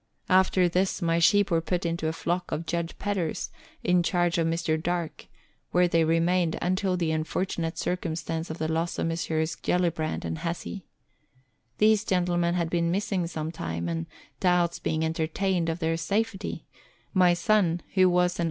After this, my sheep were put into a flock of Judge Pedder's, in charge of Mr. Darke, where they remained until the unfortunate circumstance of the loss of Messrs. Gellibrand and Hesse. These gentlemen had been missing some time, and, doubts being entertained of their safety, my son, who was an Letters from Victorian Pioneers.